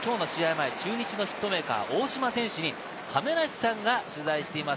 前、中日のヒットメーカー・大島選手に亀梨さんが取材しました。